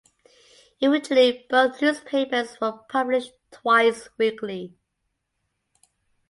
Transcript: Eventually both newspapers were published twice weekly.